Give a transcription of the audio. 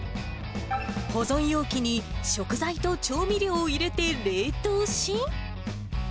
保存容器に食材と調味料を入れて冷凍し。